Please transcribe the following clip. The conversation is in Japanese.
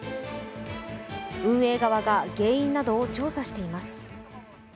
運営側が原因などを調査しています。